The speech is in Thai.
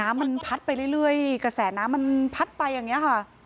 น้ำมันพัดไปเรื่อยกระแสน้ำมันพัดไปอย่างนี้ค่ะ